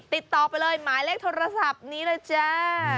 ติดต่อไปเลยหมายเลขโทรศัพท์นี้เลยจ้า